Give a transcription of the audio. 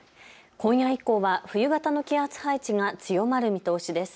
今夜以降は冬型の気圧配置が強まる見通しです。